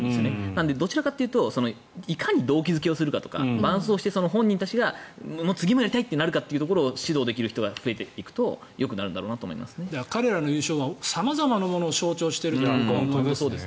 なのでどちらかというといかに動機付けをするかとか本人たちが次も出たいってなるかというのを指導できる人が増えていくと彼らの優勝は様々なものを象徴していると。